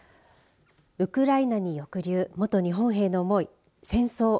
ウクライナに抑留元日本兵の思い戦争